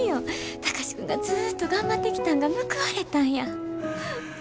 貴司君がずっと頑張ってきたんが報われたんや。